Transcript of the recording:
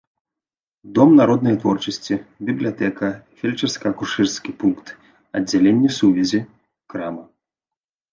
Дом народнай творчасці, бібліятэка, фельчарска-акушэрскі пункт, аддзяленне сувязі, крама.